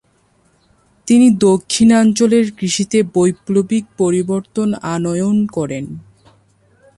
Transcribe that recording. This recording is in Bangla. তিনি দক্ষিণাঞ্চলের কৃষিতে বৈপ্লবিক পরিবর্তন আনয়ন করেন।